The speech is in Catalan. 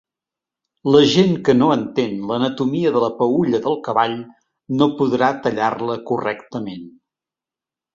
La gent que no entén l'anatomia de la peülla del cavall no podrà tallar-la correctament.